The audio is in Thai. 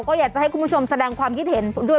ก็อยากจะให้คุณผู้ชมแสดงความคิดเห็นด้วย